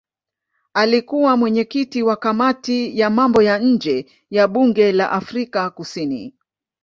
Alikuwa mwenyekiti wa kamati ya mambo ya nje ya bunge la Afrika Kusini.